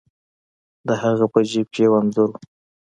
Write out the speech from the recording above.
د هغه په جیب کې یو انځور و.